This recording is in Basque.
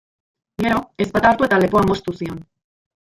Gero, ezpata hartu eta lepoa moztu zion.